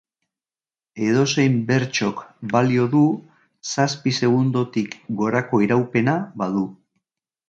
Edozein bertsok balio du, zazpi segundotik gorako iraupena badu.